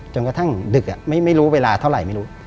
จนกระทั่งดึกอะไม่รู้เวลาเท่าไหร่